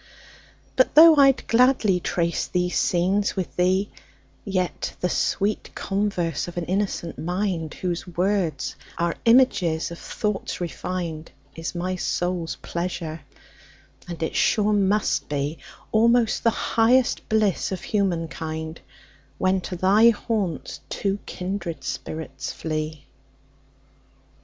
But though I'll gladly trace these scenes with thee, Yet the sweet converse of an innocent mind, Whose words are images of thoughts refin'd, Is my soul's pleasure; and it sure must beAlmost the highest bliss of human kind, When to thy haunts two kindred spirits flee.